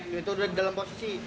itu udah di dalam posisi